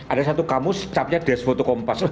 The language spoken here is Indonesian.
ada satu kamus capnya des foto kompas